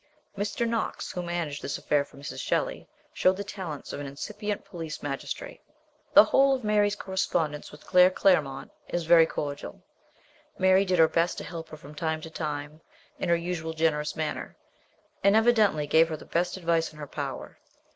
Mr. Kuox, who managed this affair for Mrs. Shelley, showed the talents of an incipient police magistrate. The whole of Mary's correspondence with Claire Clairmont is very cordial. Mary did her best to help her from time to time in her usual generous manner, and evidently gave her the best advice in her power.